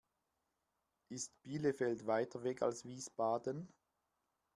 Ist Bielefeld weiter weg als Wiesbaden?